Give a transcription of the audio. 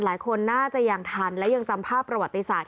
หลายคนน่าจะยังทันและยังจำภาพประวัติศาสต